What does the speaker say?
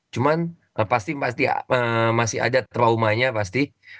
cuma pasti masih ada trauma nya pasti